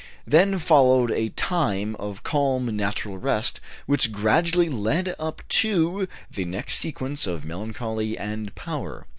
Then followed a time of calm natural rest, which gradually led up to the next sequence of melancholy and power.